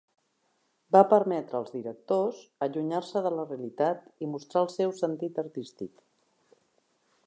Va permetre als directors allunyar-se de la realitat i mostrar el seu sentit artístic.